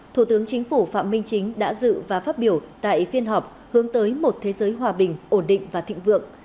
thủ tướng chính phủ phạm minh chính đã dự và phát biểu tại phiên họp hướng tới một thế giới hòa bình ổn định và thịnh vượng